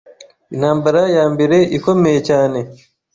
intambara ya mbere ikomeye cyane